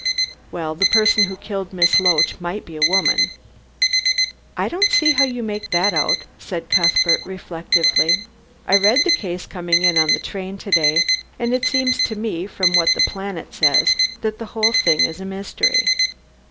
"Well, the person who killed Miss Loach might be a woman." "I don't see how you make that out," said Cuthbert reflectively. "I read the case coming up in the train to day, and it seems to me from what The Planet says that the whole thing is a mystery."